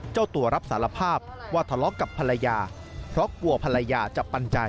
เจ้าตัวรับสารภาพว่าทะเลาะกับภรรยาเพราะกลัวภรรยาจะปัญญา